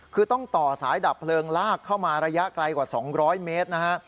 คือต้องต่อสายดับเพลิงลากเข้ามาระยะไกลกว่า๒๐๐เมตรนะฮะ